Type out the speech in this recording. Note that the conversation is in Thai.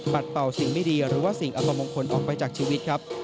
เป่าสิ่งไม่ดีหรือว่าสิ่งอตมงคลออกไปจากชีวิตครับ